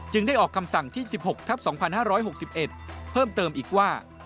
ได้ออกคำสั่งที่๑๖ทับ๒๕๖๑เพิ่มเติมอีกว่า